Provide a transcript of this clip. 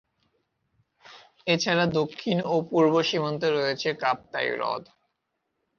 এছাড়া দক্ষিণ ও পূর্ব সীমান্তে রয়েছে কাপ্তাই হ্রদ।